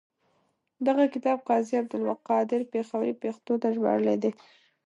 دغه کتاب قاضي عبدالقادر پیښوري پښتو ته ژباړلی دی.